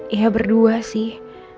ya berdua sih